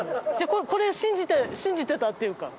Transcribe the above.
これ信じて信じてたっていうか。